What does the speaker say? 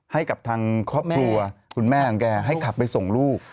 ให้กับทางครอบครัวคุณแม่ของแกให้ขับไปส่งลูก